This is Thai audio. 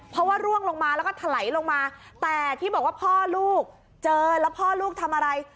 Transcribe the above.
เพราะว่าร่วงลงมาแล้วก็ถลายลงมาแต่ที่บอกว่าพ่อลูกเจอแล้วพ่อลูกทำอะไร